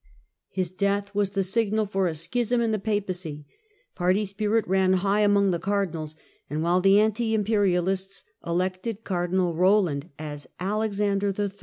His death was the signal for a schism in the Papacy : Japai .,.,. 1 1 Schism Party spirit ran high among the cardmals, and while the anti imperialists elected Cardinal Eoland as Alex ander III.